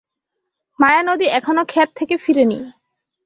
মায়ানদি এখনও ক্ষেত থেকে ফিরেনি।